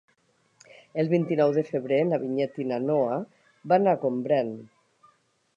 El vint-i-nou de febrer na Vinyet i na Noa van a Gombrèn.